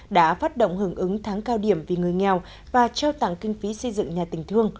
đã phát động hưởng ứng tháng cao điểm vì người nghèo và trao tặng kinh phí xây dựng nhà tình thương